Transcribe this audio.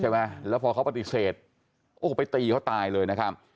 ใช่ไหมแล้วพอเขาปฏิเสธโอ้โหไปตีเขาตายเลยนะครับ